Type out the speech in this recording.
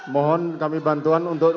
mohon kami bantuan untuk